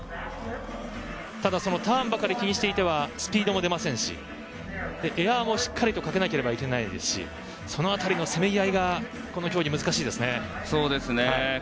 ただ、ターンばかり気にしていてはスピードも出ませんしエアもしっかりとかけなければいけないですしその辺りの攻めぎあいがこの競技難しいですね。